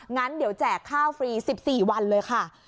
งั้นเดี๋ยวแจกข้าวฟรี๑๔วันเลยค่ะ